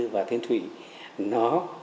và thiên thụy nó